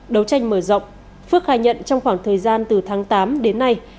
đấu tranh mở rộng phước khai nhận trong khoảng thời gian từ tháng tám đến nay